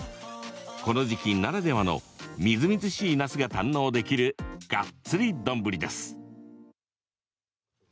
この時期ならではのみずみずしいなすが堪能できるがっつり丼です。